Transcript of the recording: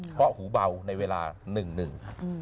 เพราะหูเบาในเวลาหนึ่ง